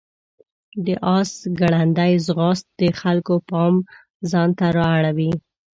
د آس ګړندی ځغاست د خلکو پام ځان ته راواړاوه.